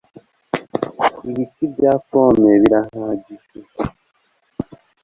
ibiti bya pome birahagije